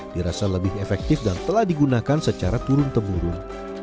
dirasa lebih efektif dan telah digunakan secara turun temurun